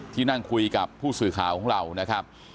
ที่นั่งคุยกับผู้สื่อข่าวของเรานะครับ